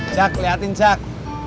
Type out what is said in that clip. jak liatin jak